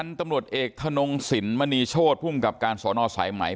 พันธุ์ตำรวจเอกธนงศิลป์มณีโชฑ์ภูมิกับการสอนออสัยใหม่